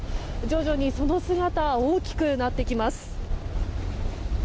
徐々にその姿大きくなってきます。